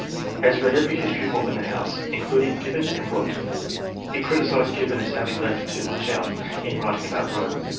Has read every history book in the house, including Gib bon and Grote. He criticized Gibbon as 'having left too much out ' in writing about Rome.